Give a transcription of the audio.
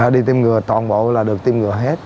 đi tiêm ngừa toàn bộ là được tiêm ngừa hết